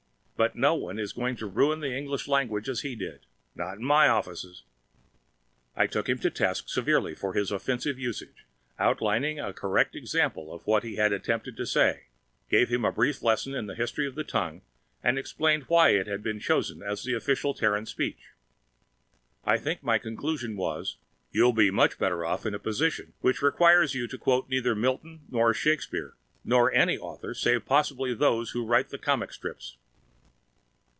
But no one is going to ruin the English language as he did! Not in my offices! I took him to task severely for his offensive usage, outlined a correct example of what he had attempted to say, gave him a brief lesson in the history of the tongue, and explained why it had been chosen as the official Terran speech. I think my conclusion was, "You'll be much better off in a position which requires you to quote neither Milton nor Shakespeare nor any author save possibly those who write the comic strips."